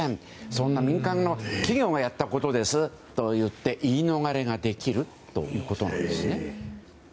そんな民間の企業がやったことですって言って言い逃れができるということなんです。